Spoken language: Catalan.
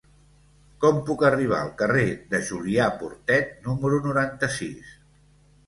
Com puc arribar al carrer de Julià Portet número noranta-sis?